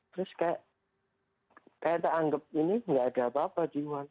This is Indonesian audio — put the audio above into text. terus kayak tak anggap ini nggak ada apa apa jiwa